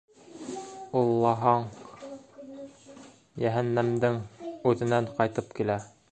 Ул лаһаң... йәһәннәмдең үҙенән ҡайтып килә!